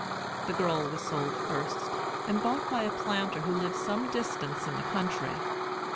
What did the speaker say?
The girl was sold first, and bought by a planter who lived some distance in the country.